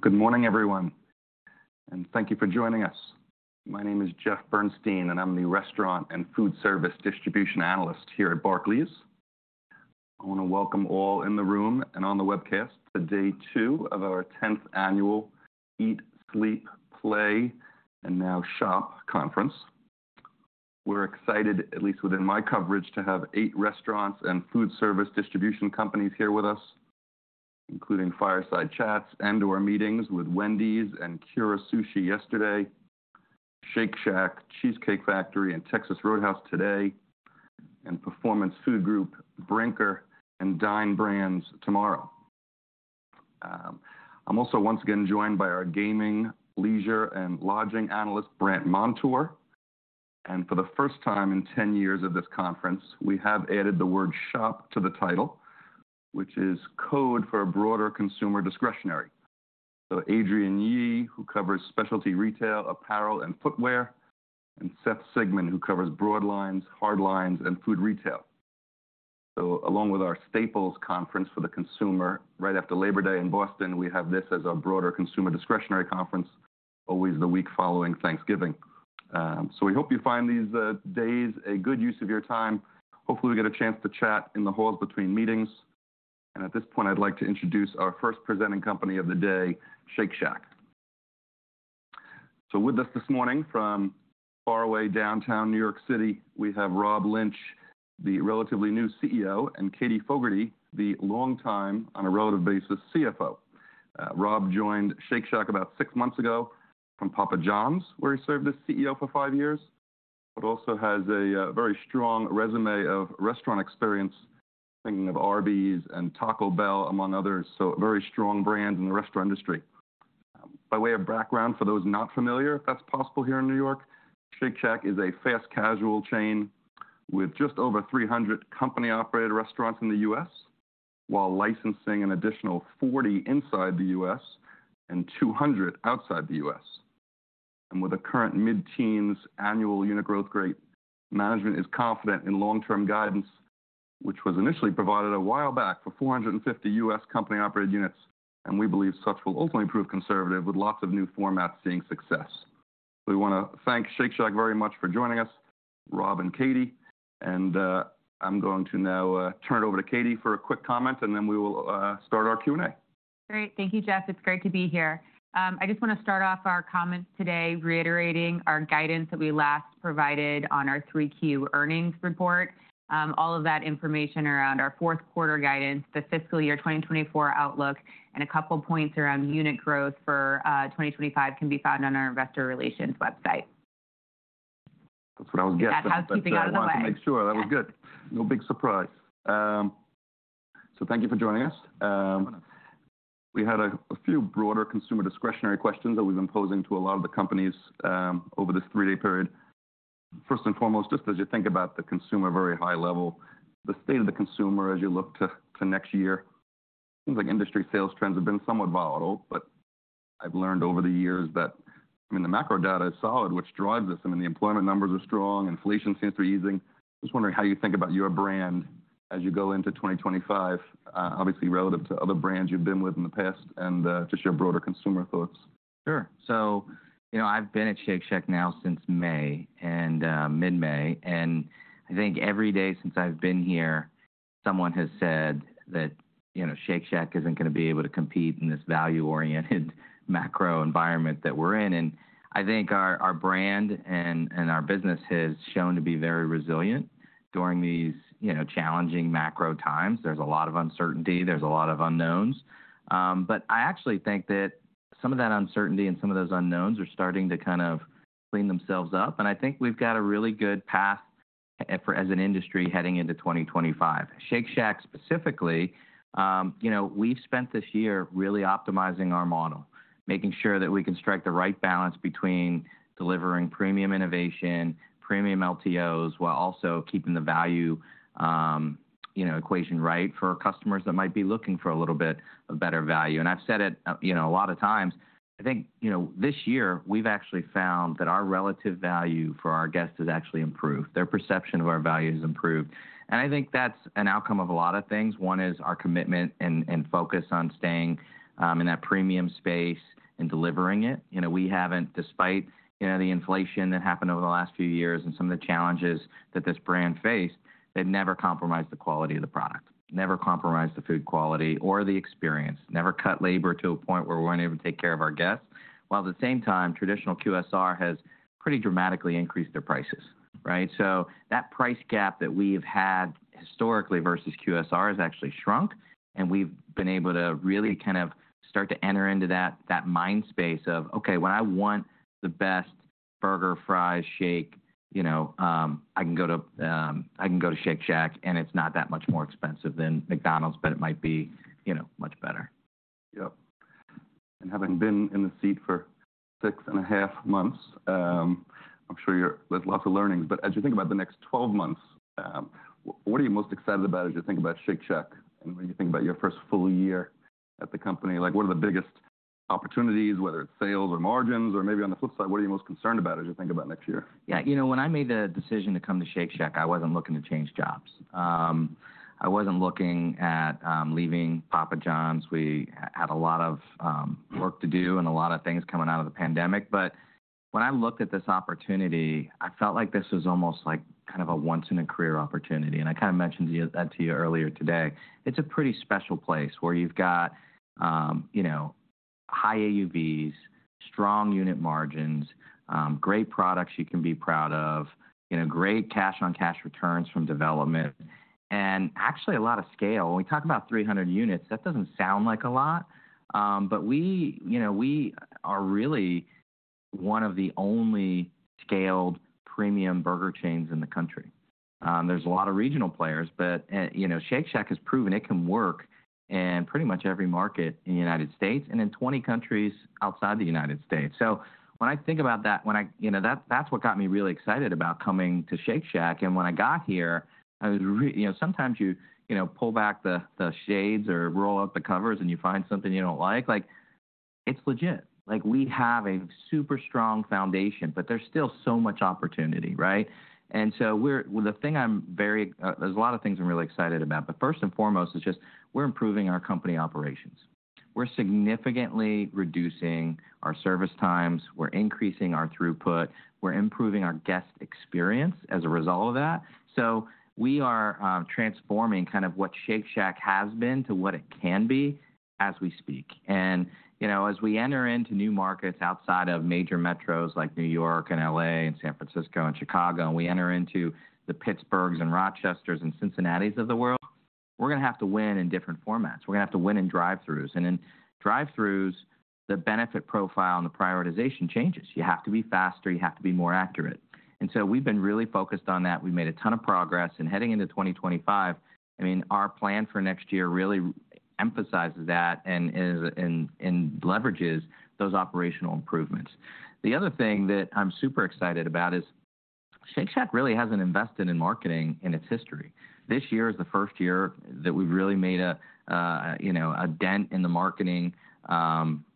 Good morning, everyone, and thank you for joining us. My name is Jeffrey Bernstein, and I'm the restaurant and food service distribution analyst here at Barclays. I want to welcome all in the room and on the webcast to day two of our 10th annual Eat, Sleep, Play, and now Shop conference. We're excited, at least within my coverage, to have eight restaurants and food service distribution companies here with us, including Fireside Chats and/or meetings with Wendy's and Kura Sushi yesterday, Shake Shack, Cheesecake Factory, and Texas Roadhouse today, and Performance Food Group, Brinker, and Dine Brands tomorrow. I'm also once again joined by our gaming, leisure, and lodging analyst, Brant Montour. And for the first time in 10 years of this conference, we have added the word "shop" to the title, which is code for a broader consumer discretionary. So Adrienne Yih, who covers specialty retail, apparel, and footwear, and Seth Sigman, who covers broad lines, hard lines, and food retail. So along with our Staples Conference for the Consumer, right after Labor Day in Boston, we have this as our broader consumer discretionary conference, always the week following Thanksgiving. So we hope you find these days a good use of your time. Hopefully, we get a chance to chat in the halls between meetings. And at this point, I'd like to introduce our first presenting company of the day, Shake Shack. So with us this morning from far away downtown New York City, we have Rob Lynch, the relatively new CEO, and Katherine Fogertey, the longtime on a relative basis CFO. Rob joined Shake Shack about six months ago from Papa John's, where he served as CEO for five years, but also has a very strong resume of restaurant experience, thinking of Arby's and Taco Bell, among others. So very strong brands in the restaurant industry. By way of background for those not familiar, if that's possible here in New York, Shake Shack is a fast casual chain with just over 300 company-operated restaurants in the U.S., while licensing an additional 40 inside the U.S. and 200 outside the U.S. And with a current mid-teens annual unit growth rate, management is confident in long-term guidance, which was initially provided a while back for 450 U.S. company-operated units. And we believe such will ultimately prove conservative, with lots of new formats seeing success. We want to thank Shake Shack very much for joining us, Rob and Katherine. And I'm going to now turn it over to Katherine for a quick comment, and then we will start our Q&A. Great. Thank you, Jeffrey. It's great to be here. I just want to start off our comments today reiterating our guidance that we last provided on our 3Q earnings report. All of that information around our fourth quarter guidance, the fiscal year 2024 outlook, and a couple of points around unit growth for 2025 can be found on our investor relations website. That's what I was guessing. That housekeeping out of the way. I wanted to make sure that was good. No big surprise. So thank you for joining us. We had a few broader consumer discretionary questions that we've been posing to a lot of the companies over this three-day period. First and foremost, just as you think about the consumer very high level, the state of the consumer as you look to next year, things like industry sales trends have been somewhat volatile. But I've learned over the years that, I mean, the macro data is solid, which drives this. I mean, the employment numbers are strong. Inflation seems to be easing. Just wondering how you think about your brand as you go into 2025, obviously relative to other brands you've been with in the past, and just your broader consumer thoughts? Sure. So I've been at Shake Shack now since May, mid-May. And I think every day since I've been here, someone has said that Shake Shack isn't going to be able to compete in this value-oriented macro environment that we're in. And I think our brand and our business has shown to be very resilient during these challenging macro times. There's a lot of uncertainty. There's a lot of unknowns. But I actually think that some of that uncertainty and some of those unknowns are starting to kind of clean themselves up. And I think we've got a really good path as an industry heading into 2025. Shake Shack specifically, we've spent this year really optimizing our model, making sure that we can strike the right balance between delivering premium innovation, premium LTOs, while also keeping the value equation right for customers that might be looking for a little bit of better value. And I've said it a lot of times. I think this year we've actually found that our relative value for our guests has actually improved. Their perception of our value has improved. And I think that's an outcome of a lot of things. One is our commitment and focus on staying in that premium space and delivering it. We haven't, despite the inflation that happened over the last few years and some of the challenges that this brand faced, they've never compromised the quality of the product, never compromised the food quality or the experience, never cut labor to a point where we weren't able to take care of our guests. While at the same time, traditional QSR has pretty dramatically increased their prices. So that price gap that we've had historically versus QSR has actually shrunk. And we've been able to really kind of start to enter into that mind space of, "Okay, when I want the best burger, fries, shake, I can go to Shake Shack, and it's not that much more expensive than McDonald's, but it might be much better. Yep. And having been in the seat for six and a half months, I'm sure there's lots of learnings. But as you think about the next 12 months, what are you most excited about as you think about Shake Shack? And when you think about your first full year at the company, what are the biggest opportunities, whether it's sales or margins? Or maybe on the flip side, what are you most concerned about as you think about next year? Yeah. You know, when I made the decision to come to Shake Shack, I wasn't looking to change jobs. I wasn't looking at leaving Papa John's. We had a lot of work to do and a lot of things coming out of the pandemic. But when I looked at this opportunity, I felt like this was almost like kind of a once-in-a-career opportunity. And I kind of mentioned that to you earlier today. It's a pretty special place where you've got high AUVs, strong unit margins, great products you can be proud of, great cash-on-cash returns from development, and actually a lot of scale. When we talk about 300 units, that doesn't sound like a lot. But we are really one of the only scaled premium burger chains in the country. There's a lot of regional players, but Shake Shack has proven it can work in pretty much every market in the United States and in 20 countries outside the United States. So when I think about that, that's what got me really excited about coming to Shake Shack. And when I got here, sometimes you pull back the shades or roll up the covers and you find something you don't like. It's legit. We have a super strong foundation, but there's still so much opportunity. And so the thing I'm very, there's a lot of things I'm really excited about. But first and foremost is just we're improving our company operations. We're significantly reducing our service times. We're increasing our throughput. We're improving our guest experience as a result of that. So we are transforming kind of what Shake Shack has been to what it can be as we speak. And as we enter into new markets outside of major metros like New York and LA and San Francisco and Chicago, and we enter into the Pittsburghs and Rochesters and Cincinnatis of the world, we're going to have to win in different formats. We're going to have to win in drive-throughs. And in drive-throughs, the benefit profile and the prioritization changes. You have to be faster. You have to be more accurate. And so we've been really focused on that. We've made a ton of progress. And heading into 2025, I mean, our plan for next year really emphasizes that and leverages those operational improvements. The other thing that I'm super excited about is Shake Shack really hasn't invested in marketing in its history. This year is the first year that we've really made a dent in the marketing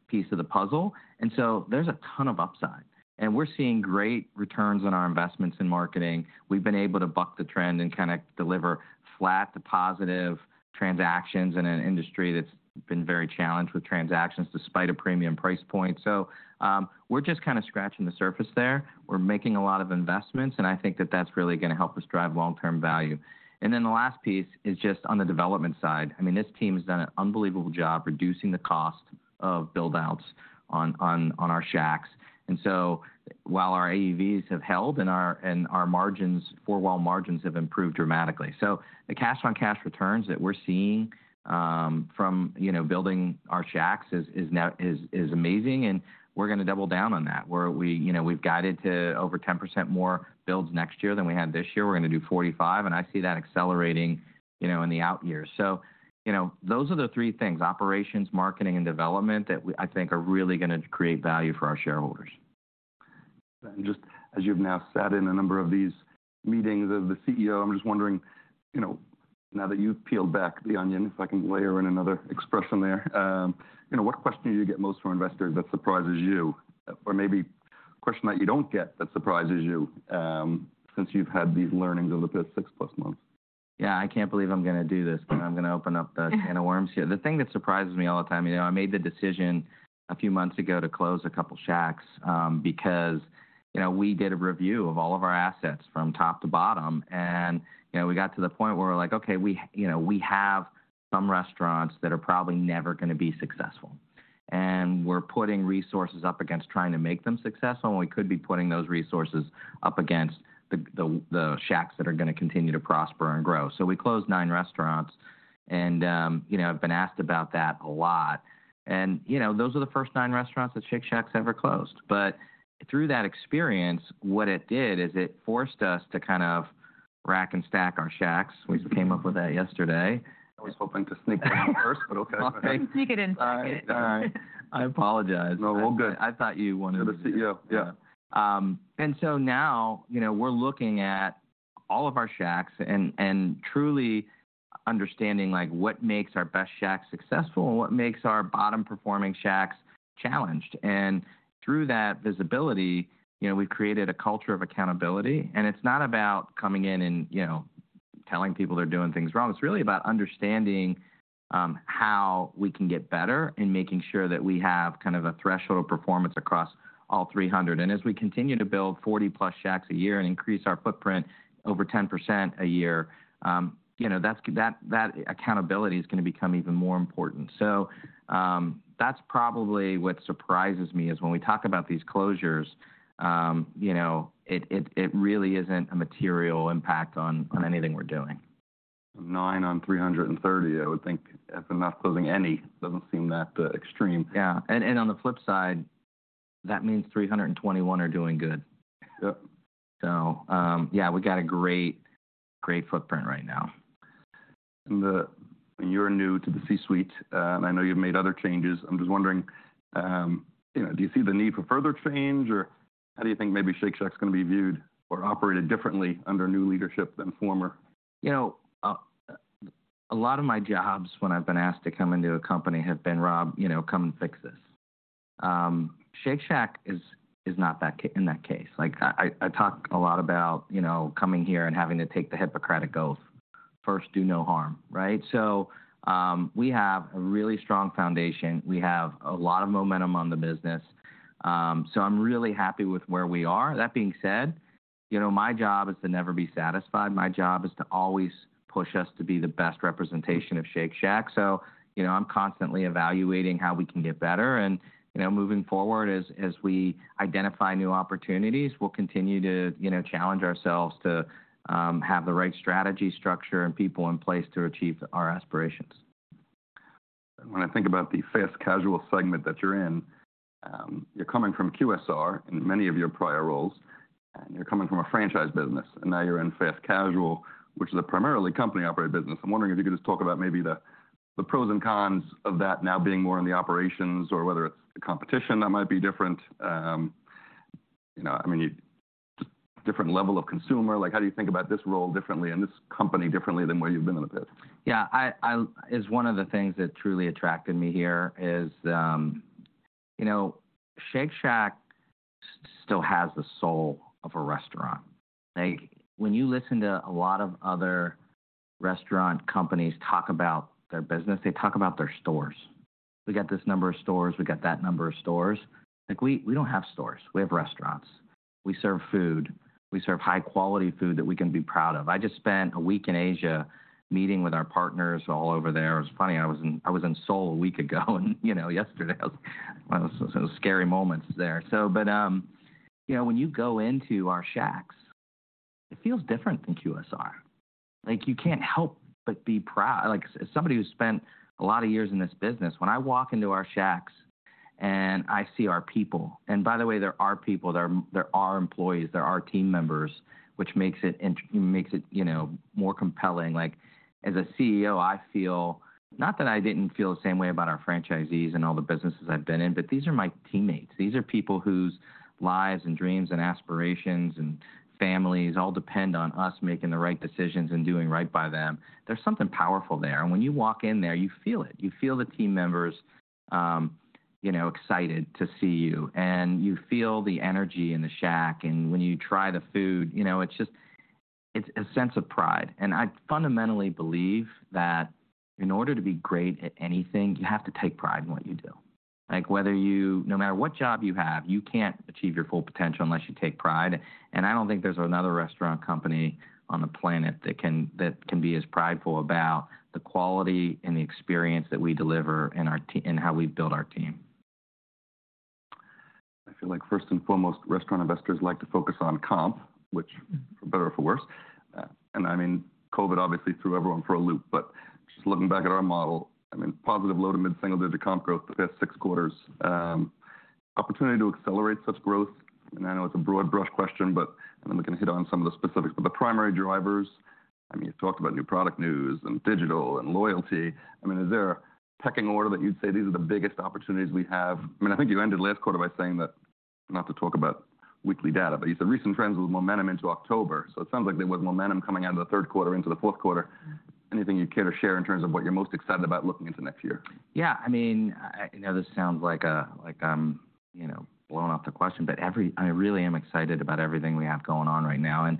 piece of the puzzle. And so there's a ton of upside. We're seeing great returns on our investments in marketing. We've been able to buck the trend and kind of deliver flat to positive transactions in an industry that's been very challenged with transactions despite a premium price point. We're just kind of scratching the surface there. We're making a lot of investments. I think that that's really going to help us drive long-term value. The last piece is just on the development side. I mean, this team has done an unbelievable job reducing the cost of buildouts on our shacks. While our AUVs have held and our margins, four-wall margins have improved dramatically, the cash-on-cash returns that we're seeing from building our shacks is amazing. We're going to double down on that. We've guided to over 10% more builds next year than we had this year. We're going to do 45. I see that accelerating in the out year. Those are the three things: operations, marketing, and development that I think are really going to create value for our shareholders. And just as you've now sat in a number of these meetings as the CEO, I'm just wondering, now that you've peeled back the onion, if I can layer in another expression there, what question do you get most from investors that surprises you? Or maybe a question that you don't get that surprises you since you've had these learnings over the past six-plus months? Yeah, I can't believe I'm going to do this, but I'm going to open up the can of worms here. The thing that surprises me all the time, I made the decision a few months ago to close a couple of shacks because we did a review of all of our assets from top to bottom, and we got to the point where we're like, "Okay, we have some restaurants that are probably never going to be successful," and we're putting resources up against trying to make them successful when we could be putting those resources up against the shacks that are going to continue to prosper and grow, so we closed nine restaurants, and I've been asked about that a lot, and those are the first nine restaurants that Shake Shack's ever closed. But through that experience, what it did is it forced us to kind of rack and stack our shacks. We came up with that yesterday. I was hoping to sneak it in first, but okay. Sneak it in, sneak it in. All right. I apologize. No, we're good. I thought you wanted to. You're the CEO, yeah. And so now we're looking at all of our shacks and truly understanding what makes our best shacks successful and what makes our bottom-performing shacks challenged. And through that visibility, we've created a culture of accountability. And it's not about coming in and telling people they're doing things wrong. It's really about understanding how we can get better and making sure that we have kind of a threshold of performance across all 300. And as we continue to build 40-plus shacks a year and increase our footprint over 10% a year, that accountability is going to become even more important. So that's probably what surprises me is when we talk about these closures, it really isn't a material impact on anything we're doing. Nine on 330, I would think, if we're not closing any. Doesn't seem that extreme. Yeah. And on the flip side, that means 321 are doing good. So yeah, we've got a great footprint right now. And you're new to the C-suite. And I know you've made other changes. I'm just wondering, do you see the need for further change? Or how do you think maybe Shake Shack's going to be viewed or operated differently under new leadership than former? A lot of my jobs when I've been asked to come into a company have been, "Rob, come and fix this." Shake Shack is not in that case. I talk a lot about coming here and having to take the Hippocratic Oath, first, do no harm. So we have a really strong foundation. We have a lot of momentum on the business. So I'm really happy with where we are. That being said, my job is to never be satisfied. My job is to always push us to be the best representation of Shake Shack. So I'm constantly evaluating how we can get better. And moving forward, as we identify new opportunities, we'll continue to challenge ourselves to have the right strategy, structure, and people in place to achieve our aspirations. When I think about the fast casual segment that you're in, you're coming from QSR in many of your prior roles. And you're coming from a franchise business. And now you're in fast casual, which is a primarily company-operated business. I'm wondering if you could just talk about maybe the pros and cons of that now being more in the operations or whether it's the competition that might be different, I mean, different level of consumer. How do you think about this role differently and this company differently than where you've been in the past? Yeah. One of the things that truly attracted me here is Shake Shack still has the soul of a restaurant. When you listen to a lot of other restaurant companies talk about their business, they talk about their stores. We got this number of stores. We got that number of stores. We don't have stores. We have restaurants. We serve food. We serve high-quality food that we can be proud of. I just spent a week in Asia meeting with our partners all over there. It was funny. I was in Seoul a week ago yesterday. It was scary moments there. But when you go into our shacks, it feels different than QSR. You can't help but be proud. As somebody who's spent a lot of years in this business, when I walk into our shacks and I see our people, and by the way, there are people, there are employees, there are team members, which makes it more compelling. As a CEO, I feel not that I didn't feel the same way about our franchisees and all the businesses I've been in, but these are my teammates. These are people whose lives and dreams and aspirations and families all depend on us making the right decisions and doing right by them. There's something powerful there. And when you walk in there, you feel it. You feel the team members excited to see you. And you feel the energy in the shack. And when you try the food, it's just a sense of pride. I fundamentally believe that in order to be great at anything, you have to take pride in what you do. No matter what job you have, you can't achieve your full potential unless you take pride. I don't think there's another restaurant company on the planet that can be as prideful about the quality and the experience that we deliver and how we build our team. I feel like first and foremost, restaurant investors like to focus on comp, which for better or for worse. And I mean, COVID obviously threw everyone for a loop. But just looking back at our model, I mean, positive low to mid-single-digit comp growth the past six quarters. Opportunity to accelerate such growth? And I know it's a broad brush question, but I'm going to hit on some of the specifics. But the primary drivers, I mean, you've talked about new product news and digital and loyalty. I mean, is there a pecking order that you'd say these are the biggest opportunities we have? I mean, I think you ended last quarter by saying that not to talk about weekly data, but you said recent trends with momentum into October. So it sounds like there was momentum coming out of the third quarter into the fourth quarter. Anything you care to share in terms of what you're most excited about looking into next year? Yeah. I mean, I know this sounds like I'm blowing up the question, but I really am excited about everything we have going on right now. And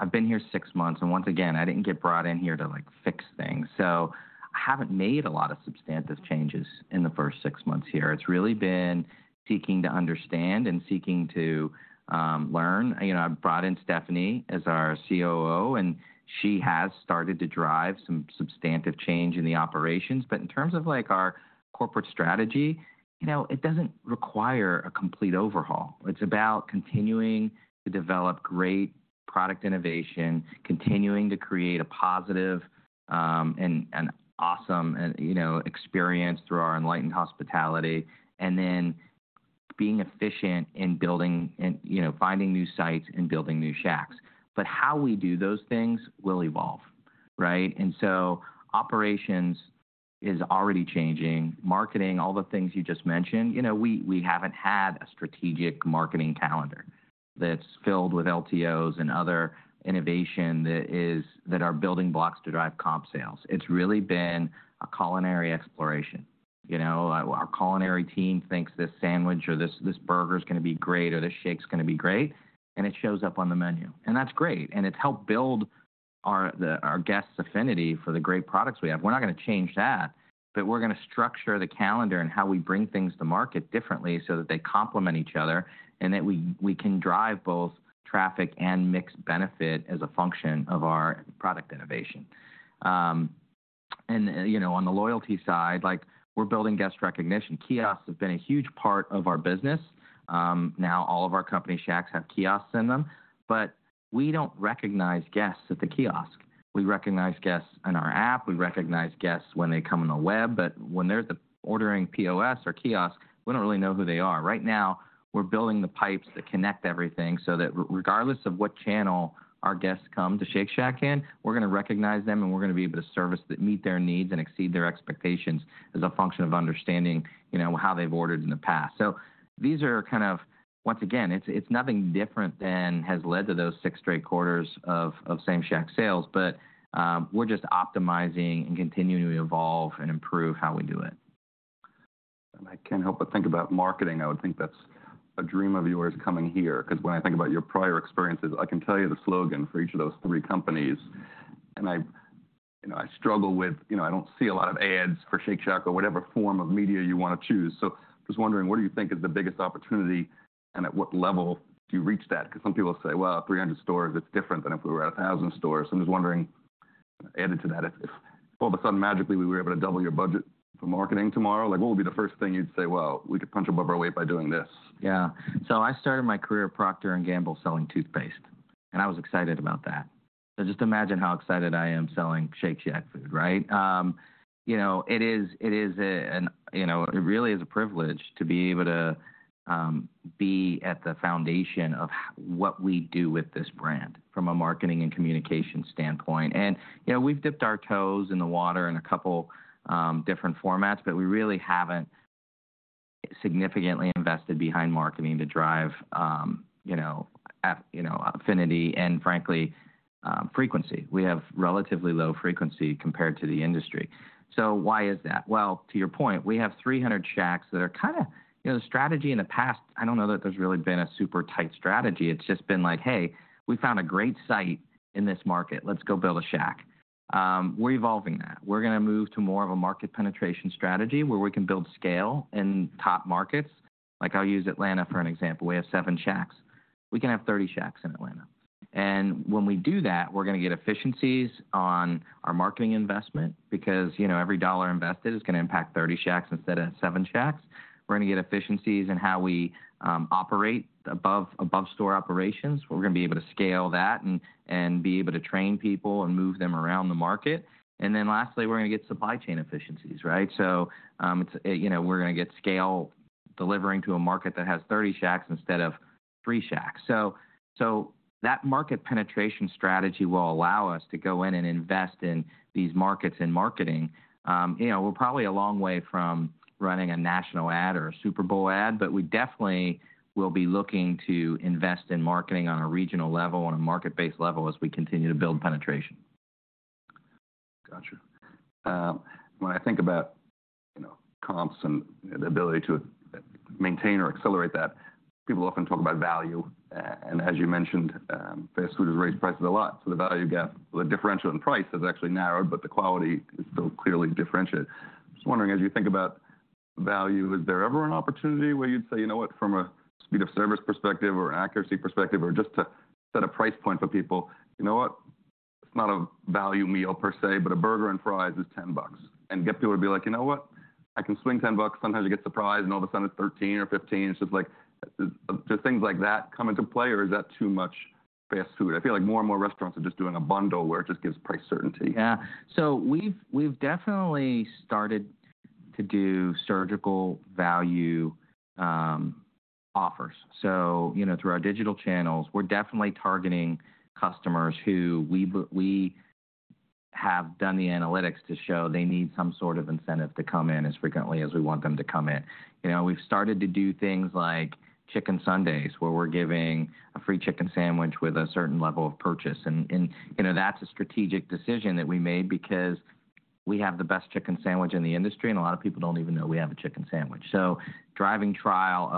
I've been here six months. And once again, I didn't get brought in here to fix things. So I haven't made a lot of substantive changes in the first six months here. It's really been seeking to understand and seeking to learn. I brought in Stephanie as our COO. And she has started to drive some substantive change in the operations. But in terms of our corporate strategy, it doesn't require a complete overhaul. It's about continuing to develop great product innovation, continuing to create a positive and awesome experience through our enlightened hospitality, and then being efficient in finding new sites and building new shacks. But how we do those things will evolve. And so operations is already changing. Marketing, all the things you just mentioned, we haven't had a strategic marketing calendar that's filled with LTOs and other innovation that are building blocks to drive comp sales. It's really been a culinary exploration. Our culinary team thinks this sandwich or this burger is going to be great or this shake is going to be great. And it shows up on the menu. And that's great. And it's helped build our guests' affinity for the great products we have. We're not going to change that. But we're going to structure the calendar and how we bring things to market differently so that they complement each other and that we can drive both traffic and mix benefit as a function of our product innovation. And on the loyalty side, we're building guest recognition. Kiosk has been a huge part of our business. Now all of our company Shacks have kiosks in them. But we don't recognize guests at the kiosk. We recognize guests in our app. We recognize guests when they come in the web. But when they're ordering POS or kiosk, we don't really know who they are. Right now, we're building the pipes that connect everything so that regardless of what channel our guests come to Shake Shack in, we're going to recognize them and we're going to be able to service that meet their needs and exceed their expectations as a function of understanding how they've ordered in the past. So these are kind of, once again, it's nothing different than has led to those six straight quarters of Same-Shack Sales. But we're just optimizing and continuing to evolve and improve how we do it. I can't help but think about marketing. I would think that's a dream of yours coming here. Because when I think about your prior experiences, I can tell you the slogan for each of those three companies. And I struggle with I don't see a lot of ads for Shake Shack or whatever form of media you want to choose. So I'm just wondering, what do you think is the biggest opportunity and at what level do you reach that? Because some people say, "Well, 300 stores, it's different than if we were at 1,000 stores." I'm just wondering, added to that, if all of a sudden, magically, we were able to double your budget for marketing tomorrow, what would be the first thing you'd say, "Well, we could punch above our weight by doing this"? Yeah. So I started my career at Procter & Gamble selling toothpaste. And I was excited about that. So just imagine how excited I am selling Shake Shack food, right? It really is a privilege to be able to be at the foundation of what we do with this brand from a marketing and communication standpoint. And we've dipped our toes in the water in a couple of different formats, but we really haven't significantly invested behind marketing to drive affinity and, frankly, frequency. We have relatively low frequency compared to the industry. So why is that? Well, to your point, we have 300 shacks that are kind of the strategy in the past. I don't know that there's really been a super tight strategy. It's just been like, "Hey, we found a great site in this market. Let's go build a shack." We're evolving that. We're going to move to more of a market penetration strategy where we can build scale in top markets. I'll use Atlanta for an example. We have seven shacks. We can have 30 shacks in Atlanta. And when we do that, we're going to get efficiencies on our marketing investment because every dollar invested is going to impact 30 shacks instead of seven shacks. We're going to get efficiencies in how we operate above-store operations. We're going to be able to scale that and be able to train people and move them around the market. And then lastly, we're going to get supply chain efficiencies, right? So we're going to get scale delivering to a market that has 30 shacks instead of three shacks. So that market penetration strategy will allow us to go in and invest in these markets and marketing. We're probably a long way from running a national ad or a Super Bowl ad, but we definitely will be looking to invest in marketing on a regional level, on a market-based level as we continue to build penetration. Gotcha. When I think about comps and the ability to maintain or accelerate that, people often talk about value. And as you mentioned, fast food has raised prices a lot. So the value gap, the differential in price has actually narrowed, but the quality is still clearly differentiated. I'm just wondering, as you think about value, is there ever an opportunity where you'd say, "You know what?" From a speed of service perspective or an accuracy perspective or just to set a price point for people, "You know what? It's not a value meal per se, but a burger and fries is $10." And get people to be like, "You know what? I can swing $10." Sometimes you get surprised. And all of a sudden, it's $13 or $15. It's just like, do things like that come into play? Or is that too much fast food? I feel like more and more restaurants are just doing a bundle where it just gives price certainty. Yeah, so we've definitely started to do surgical value offers, so through our digital channels, we're definitely targeting customers who we have done the analytics to show they need some sort of incentive to come in as frequently as we want them to come in. We've started to do things like Chicken Sundays where we're giving a free chicken sandwich with a certain level of purchase, and that's a strategic decision that we made because we have the best chicken sandwich in the industry, and a lot of people don't even know we have a chicken sandwich, so driving trial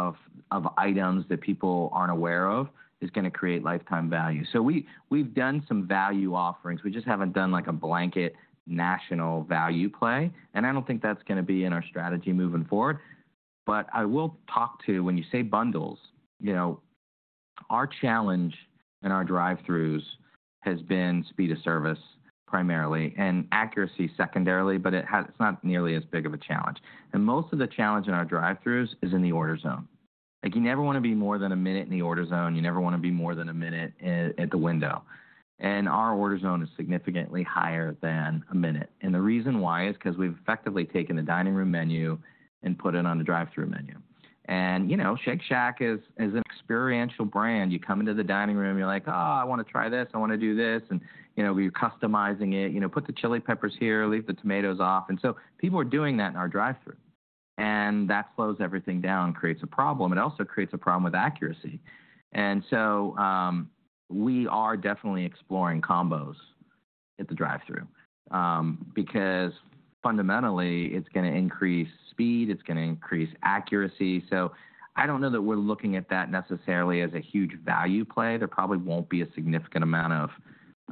of items that people aren't aware of is going to create lifetime value, so we've done some value offerings. We just haven't done a blanket national value play, and I don't think that's going to be in our strategy moving forward. But I will talk to, when you say bundles, our challenge in our drive-throughs has been speed of service primarily and accuracy secondarily, but it's not nearly as big of a challenge. And most of the challenge in our drive-throughs is in the order zone. You never want to be more than a minute in the order zone. You never want to be more than a minute at the window. And our order zone is significantly higher than a minute. And the reason why is because we've effectively taken the dining room menu and put it on the drive-through menu. And Shake Shack is an experiential brand. You come into the dining room, you're like, "Oh, I want to try this. I want to do this." And you're customizing it. Put the chili peppers here. Leave the tomatoes off. And so people are doing that in our drive-through. That slows everything down and creates a problem. It also creates a problem with accuracy. We are definitely exploring combos at the drive-through because fundamentally, it's going to increase speed. It's going to increase accuracy. I don't know that we're looking at that necessarily as a huge value play. There probably won't be a significant amount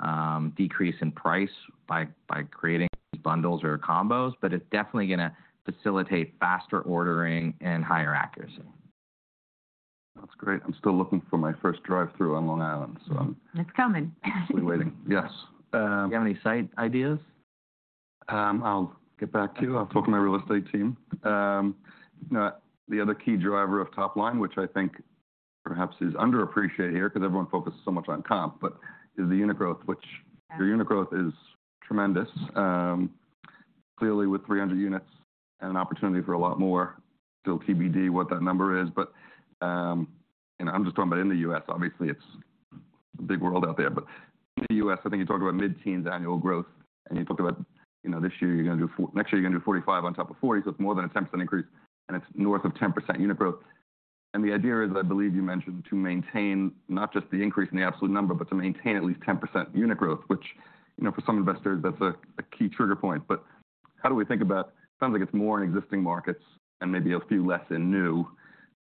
of decrease in price by creating bundles or combos, but it's definitely going to facilitate faster ordering and higher accuracy. That's great. I'm still looking for my first drive-through on Long Island, so I'm. It's coming. I'm actually waiting. Yes. Do you have any site ideas? I'll get back to you. I'll talk to my real estate team. The other key driver of top line, which I think perhaps is underappreciated here because everyone focuses so much on comp, but is the unit growth, which your unit growth is tremendous. Clearly, with 300 units and an opportunity for a lot more, still TBD what that number is. But I'm just talking about in the U.S. Obviously, it's a big world out there. But in the U.S., I think you talked about mid-teens annual growth. And you talked about this year, next year, you're going to do 45 on top of 40. So it's more than a 10% increase. And it's north of 10% unit growth. The idea is, I believe you mentioned, to maintain not just the increase in the absolute number, but to maintain at least 10% unit growth, which for some investors, that's a key trigger point. How do we think about it? Sounds like it's more in existing markets and maybe a few less in new.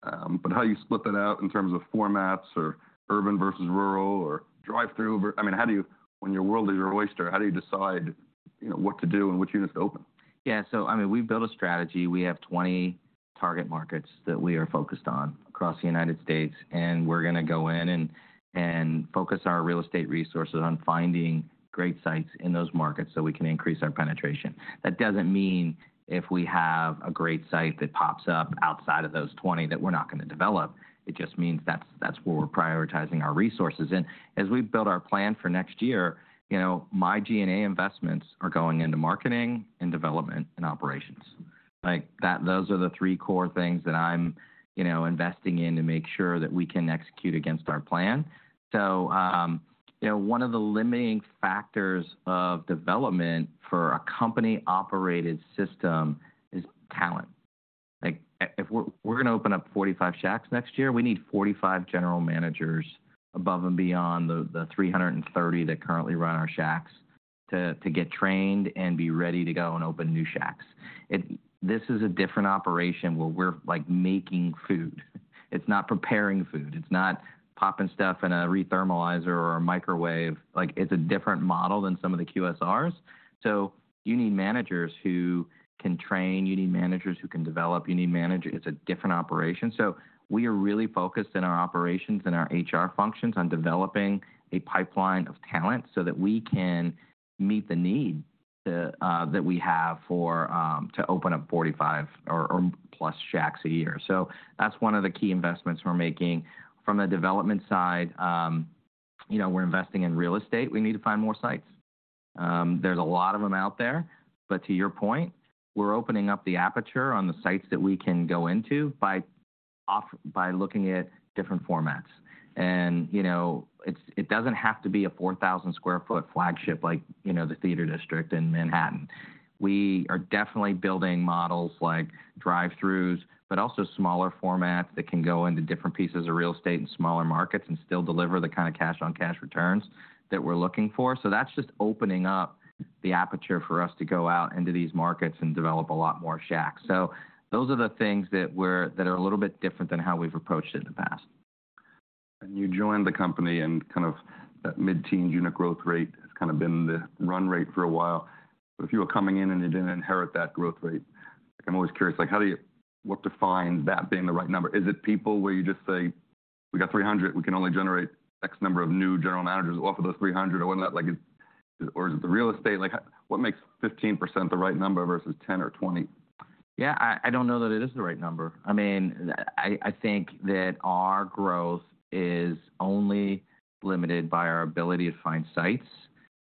How do you split that out in terms of formats or urban versus rural or drive-through? I mean, when you're in the world of QSR, how do you decide what to do and which units to open? Yeah. So I mean, we've built a strategy. We have 20 target markets that we are focused on across the United States. And we're going to go in and focus our real estate resources on finding great sites in those markets so we can increase our penetration. That doesn't mean if we have a great site that pops up outside of those 20 that we're not going to develop. It just means that's where we're prioritizing our resources. And as we build our plan for next year, my G&A investments are going into marketing and development and operations. Those are the three core things that I'm investing in to make sure that we can execute against our plan. So one of the limiting factors of development for a company-operated system is talent. If we're going to open up 45 shacks next year, we need 45 general managers above and beyond the 330 that currently run our shacks to get trained and be ready to go and open new shacks. This is a different operation where we're making food. It's not preparing food. It's not popping stuff in a re-thermalizer or a microwave. It's a different model than some of the QSRs. So you need managers who can train. You need managers who can develop. You need managers. It's a different operation. So we are really focused in our operations and our HR functions on developing a pipeline of talent so that we can meet the need that we have to open up 45 or plus shacks a year. So that's one of the key investments we're making. From the development side, we're investing in real estate. We need to find more sites. There's a lot of them out there, but to your point, we're opening up the aperture on the sites that we can go into by looking at different formats, and it doesn't have to be a 4,000-sq ft flagship like the Theater District in Manhattan. We are definitely building models like drive-throughs, but also smaller formats that can go into different pieces of real estate in smaller markets and still deliver the kind of cash-on-cash returns that we're looking for, so that's just opening up the aperture for us to go out into these markets and develop a lot more shacks, so those are the things that are a little bit different than how we've approached it in the past. You joined the company and kind of that mid-teens unit growth rate has kind of been the run rate for a while. But if you were coming in and you didn't inherit that growth rate, I'm always curious. What defines that being the right number? Is it people where you just say, "We got 300. We can only generate X number of new general managers off of those 300"? Or is it the real estate? What makes 15% the right number versus 10% or 20%? Yeah. I don't know that it is the right number. I mean, I think that our growth is only limited by our ability to find sites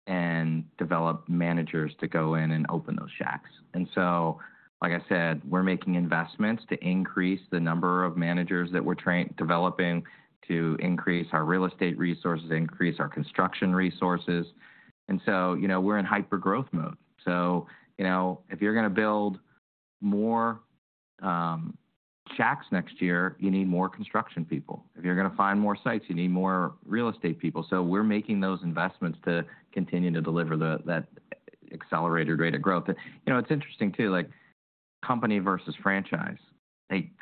and develop managers to go in and open those shacks. And so, like I said, we're making investments to increase the number of managers that we're developing to increase our real estate resources, increase our construction resources. And so we're in hyper-growth mode. So if you're going to build more shacks next year, you need more construction people. If you're going to find more sites, you need more real estate people. So we're making those investments to continue to deliver that accelerated rate of growth. And it's interesting too, company versus franchise.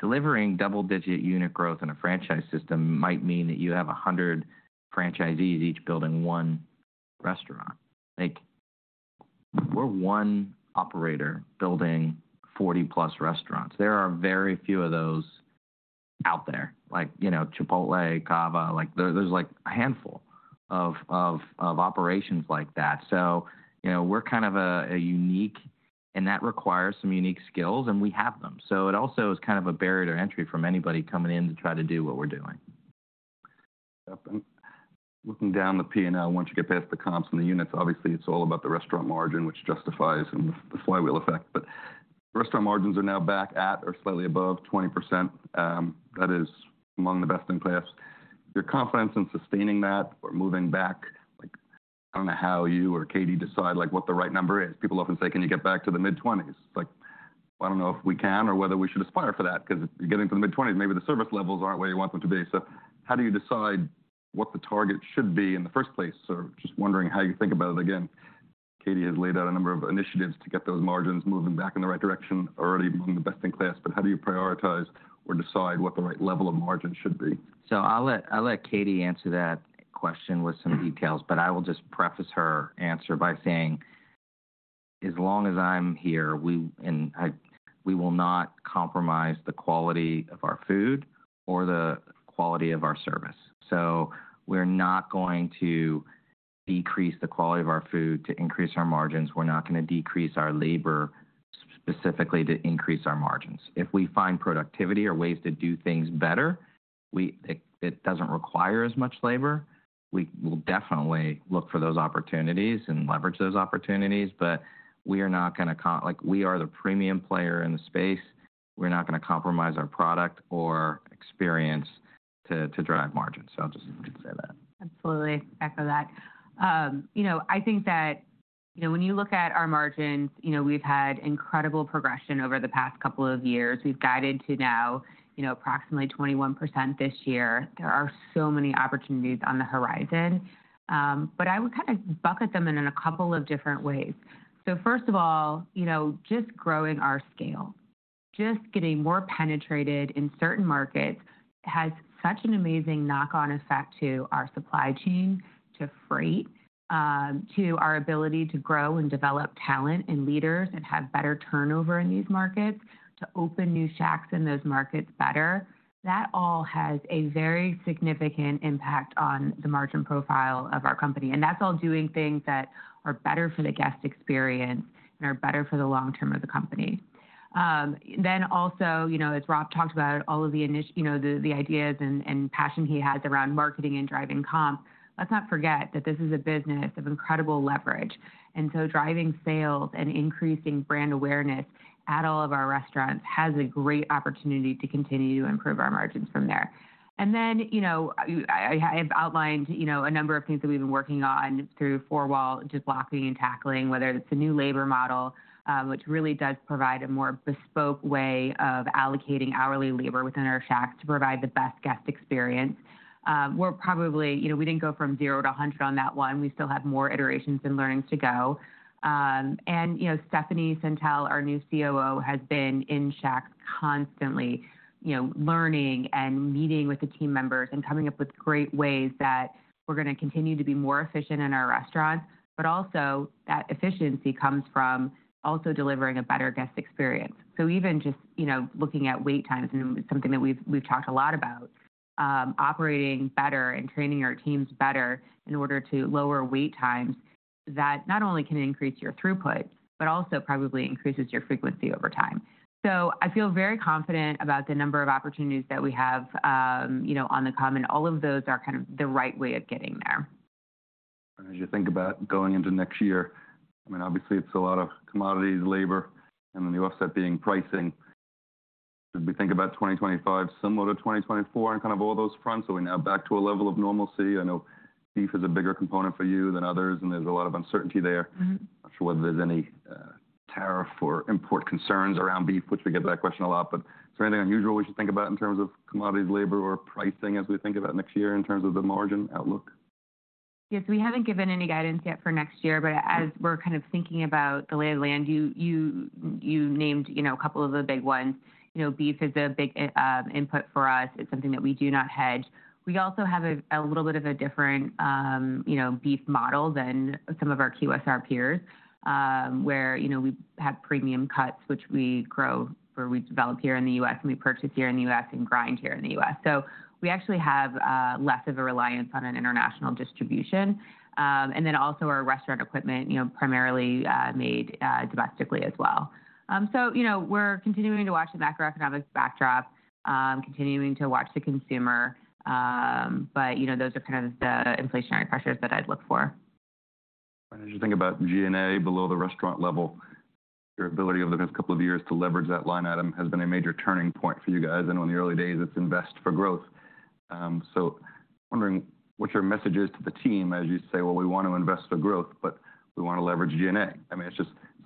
Delivering double-digit unit growth in a franchise system might mean that you have 100 franchisees each building one restaurant. We're one operator building 40-plus restaurants. There are very few of those out there, like Chipotle, Cava. There's a handful of operations like that. So we're kind of unique, and that requires some unique skills, and we have them. So it also is kind of a barrier to entry for anybody coming in to try to do what we're doing. Yep. And looking down the P&L, once you get past the comps and the units, obviously, it's all about the restaurant margin, which justifies the flywheel effect. But restaurant margins are now back at or slightly above 20%. That is among the best in class. Your confidence in sustaining that or moving back, I don't know how you or Katherine decide what the right number is. People often say, "Can you get back to the mid-20s%?" It's like, "I don't know if we can or whether we should aspire for that." Because if you're getting to the mid-20s%, maybe the service levels aren't where you want them to be. So how do you decide what the target should be in the first place? So just wondering how you think about it again. Katherine has laid out a number of initiatives to get those margins moving back in the right direction already among the best in class. But how do you prioritize or decide what the right level of margin should be? So I'll let Katherine answer that question with some details. But I will just preface her answer by saying, as long as I'm here, we will not compromise the quality of our food or the quality of our service. So we're not going to decrease the quality of our food to increase our margins. We're not going to decrease our labor specifically to increase our margins. If we find productivity or ways to do things better, it doesn't require as much labor. We will definitely look for those opportunities and leverage those opportunities. But we are not going to. We are the premium player in the space. We're not going to compromise our product or experience to drive margins. So I'll just say that. Absolutely echo that. I think that when you look at our margins, we've had incredible progression over the past couple of years. We've guided to now approximately 21% this year. There are so many opportunities on the horizon. But I would kind of bucket them in a couple of different ways. So first of all, just growing our scale, just getting more penetrated in certain markets has such an amazing knock-on effect to our supply chain, to freight, to our ability to grow and develop talent and leaders and have better turnover in these markets, to open new shacks in those markets better. That all has a very significant impact on the margin profile of our company. And that's all doing things that are better for the guest experience and are better for the long term of the company. Then also, as Rob talked about, all of the ideas and passion he has around marketing and driving comp. Let's not forget that this is a business of incredible leverage, and so driving sales and increasing brand awareness at all of our restaurants has a great opportunity to continue to improve our margins from there, and then I have outlined a number of things that we've been working on through four-wall just blocking and tackling, whether it's a new labor model, which really does provide a more bespoke way of allocating hourly labor within our shacks to provide the best guest experience. We didn't go from 0 to 100 on that one. We still have more iterations and learnings to go. And Stephanie Sentell, our new COO, has been in shacks constantly learning and meeting with the team members and coming up with great ways that we're going to continue to be more efficient in our restaurants. But also, that efficiency comes from also delivering a better guest experience. So even just looking at wait times and something that we've talked a lot about, operating better and training our teams better in order to lower wait times, that not only can increase your throughput, but also probably increases your frequency over time. So I feel very confident about the number of opportunities that we have on the comps. All of those are kind of the right way of getting there. As you think about going into next year, I mean, obviously, it's a lot of commodities, labor, and the new offset being pricing. Should we think about 2025 similar to 2024 on kind of all those fronts? Are we now back to a level of normalcy? I know beef is a bigger component for you than others, and there's a lot of uncertainty there. I'm not sure whether there's any tariff or import concerns around beef, which we get that question a lot. But is there anything unusual we should think about in terms of commodities, labor, or pricing as we think about next year in terms of the margin outlook? Yes. We haven't given any guidance yet for next year. But as we're kind of thinking about the lay of the land, you named a couple of the big ones. Beef is a big input for us. It's something that we do not hedge. We also have a little bit of a different beef model than some of our QSR peers, where we have premium cuts, which we grow or we develop here in the U.S., and we purchase here in the U.S. and grind here in the U.S. So we actually have less of a reliance on an international distribution. And then also our restaurant equipment primarily made domestically as well. So we're continuing to watch the macroeconomic backdrop, continuing to watch the consumer. But those are kind of the inflationary pressures that I'd look for. As you think about G&A below the restaurant level, your ability over the next couple of years to leverage that line item has been a major turning point for you guys. In the early days, it's invest for growth. I'm wondering what your message is to the team as you say, "Well, we want to invest for growth, but we want to leverage G&A." I mean,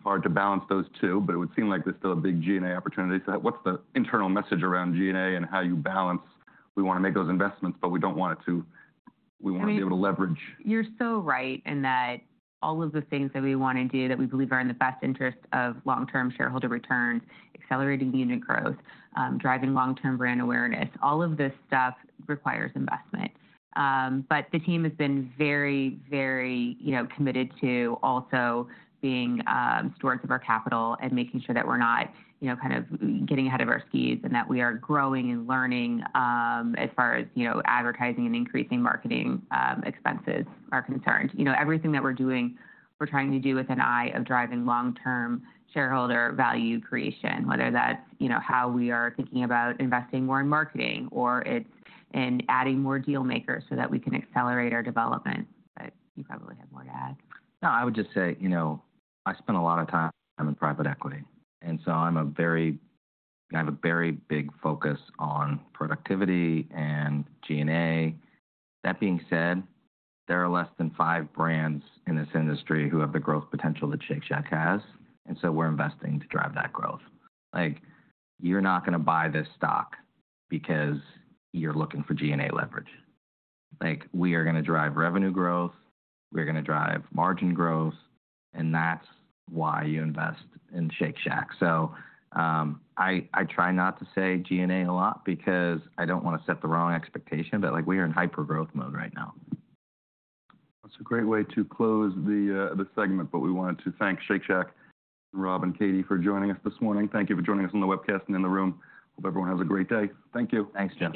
it's hard to balance those two, but it would seem like there's still a big G&A opportunity. What's the internal message around G&A and how you balance, "We want to make those investments, but we don't want it to, we want to be able to leverage"? You're so right in that all of the things that we want to do that we believe are in the best interest of long-term shareholder returns, accelerating unit growth, driving long-term brand awareness, all of this stuff requires investment. But the team has been very, very committed to also being stewards of our capital and making sure that we're not kind of getting ahead of our skis and that we are growing and learning as far as advertising and increasing marketing expenses are concerned. Everything that we're doing, we're trying to do with an eye of driving long-term shareholder value creation, whether that's how we are thinking about investing more in marketing or it's in adding more dealmakers so that we can accelerate our development. But you probably have more to add. No, I would just say I spend a lot of time in private equity, and so I have a very big focus on productivity and G&A. That being said, there are less than five brands in this industry who have the growth potential that Shake Shack has, and so we're investing to drive that growth. You're not going to buy this stock because you're looking for G&A leverage. We are going to drive revenue growth. We're going to drive margin growth, and that's why you invest in Shake Shack, so I try not to say G&A a lot because I don't want to set the wrong expectation, but we are in hyper-growth mode right now. That's a great way to close the segment. But we wanted to thank Shake Shack, Rob, and Katherine for joining us this morning. Thank you for joining us on the webcast and in the room. Hope everyone has a great day. Thank you. Thanks, John.